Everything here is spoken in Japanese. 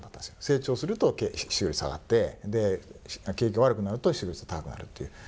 成長すると失業率下がって景気が悪くなると失業率高くなるっていう逆相関。